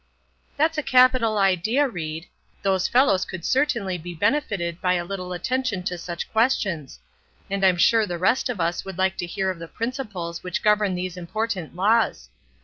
"That's a capital idea, Ried. Those fellows could certainly be benefited by a little attention to such questions; and I'm sure the rest of us would like to hear of the principles which govern these important laws.